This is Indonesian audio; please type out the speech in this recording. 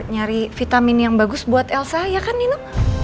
nyari vitamin yang bagus buat elsa ya kan nino